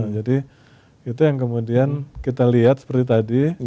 jadi itu yang kemudian kita lihat seperti tadi